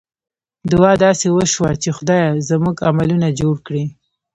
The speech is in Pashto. دعا داسې وشوه چې خدایه! زموږ عملونه جوړ کړې.